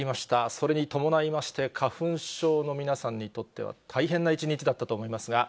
それに伴いまして、花粉症の皆さんにとっては、大変な一日だったと思いますが。